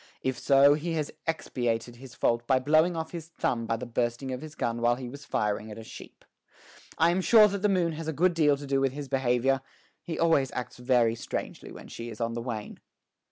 If so, he has expiated his fault by blowing off his thumb by the bursting of his gun while he was firing at a sheep. I am sure that the moon has a good deal to do with his behavior; he always acts very strangely when she is on the wane."